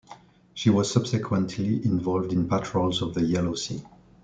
She was subsequently involved in patrols of the Yellow Sea.